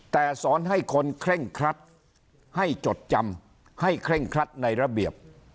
แต่สอนให้คนเคร่งครัดให้จดจำให้เคร่งครัดในระเบียบ